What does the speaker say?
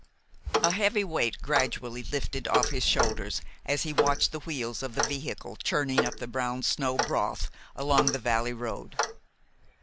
A heavy weight gradually lifted off his shoulders as he watched the wheels of the vehicle churning up the brown snow broth along the valley road.